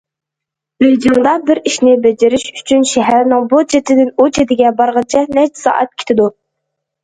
بېيجىڭدا بىر ئىشنى بېجىرىش ئۈچۈن شەھەرنىڭ بۇ چېتىدىن ئۇ چېتىگە بارغىچە نەچچە سائەت كېتىدۇ.